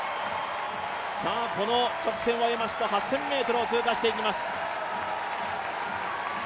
この直線を終えますと８０００ｍを通過していきます。